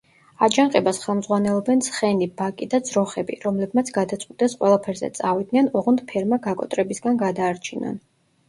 აჯანყებას ხელმძღვანელობენ ცხენი ბაკი და ძროხები, რომლებმაც გადაწყვიტეს ყველაფერზე წავიდნენ, ოღონდ ფერმა გაკოტრებისგან გადაარჩინონ.